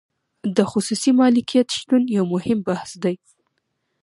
د خصوصي مالکیت شتون یو مهم بحث دی.